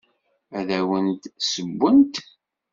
Ad awen-d-ssewwent.